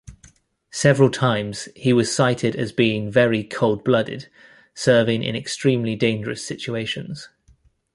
Several times, he was cited as being very cold-blooded, serving in extremely dangerous situations.